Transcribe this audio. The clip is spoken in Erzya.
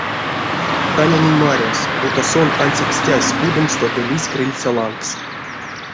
Танянень марявсь, буто сон ансяк стясь удомсто ды лиссь крыльця лангс.